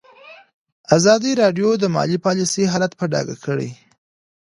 ازادي راډیو د مالي پالیسي حالت په ډاګه کړی.